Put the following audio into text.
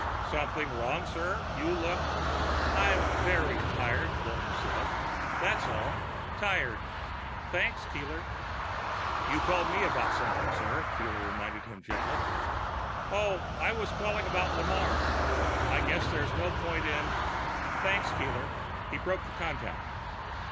"Something wrong, sir? You look " "I'm very tired," Walton said. "That's all. Tired. Thanks, Keeler." "You called me about something, sir," Keeler reminded him gently. "Oh, I was calling about Lamarre. I guess there's no point in thanks, Keeler." He broke the contact.